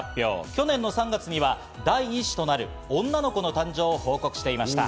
去年の３月には第１子となる女の子の誕生を報告していました。